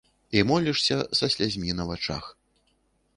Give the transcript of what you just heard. І молішся са слязьмі на вачах.